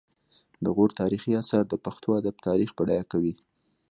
د غور تاریخي اثار د پښتو ادب تاریخ بډایه کوي